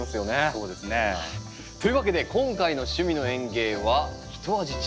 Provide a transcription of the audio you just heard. そうですね。というわけで今回の「趣味の園芸」はひと味違った試みです。